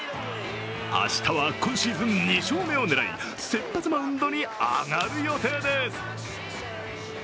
明日は今シーズン２勝目を狙い先発マウンドに上がる予定です。